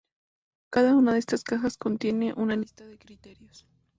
Cada una de estas cajas contiene una lista de criterios.